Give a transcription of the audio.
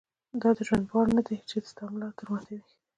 دا د ژوند بار نه دی چې ستا ملا در ماتوي.